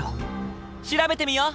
調べてみよう！